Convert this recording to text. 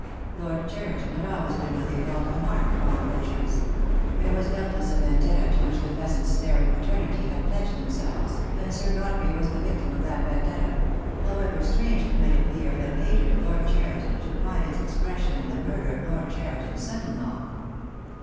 Lord Cheriton had always been what they called a mark upon poachers. There was doubtless a vendetta to which the pheasant snaring fraternity had pledged themselves, and Sir Godfrey was the victim of that vendetta; however strange it might appear . that hatred of Lord Cheriton should find its expression in the murder of Lord Cheriton's son in law.